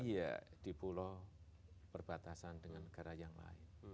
iya di pulau perbatasan dengan negara yang lain